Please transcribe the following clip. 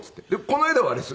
この間はあれです。